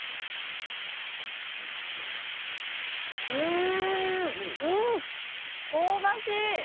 うんうん香ばしい！